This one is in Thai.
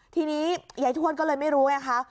ทีนี้ยายทวดก็เลยไม่รู้ไงคะ